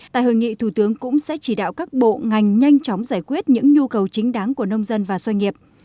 tại hội nghị thủ tướng cũng sẽ chỉ đạo các bộ ngành nhanh chóng giải quyết những nhu cầu chính đáng của nông dân và doanh nghiệp